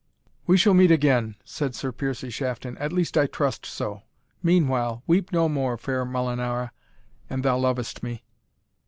"We shall meet again," said Sir Piercie Shafton, "at least I trust so; meanwhile, weep no more, fair Molinara, an thou lovest me."